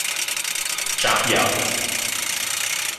集郵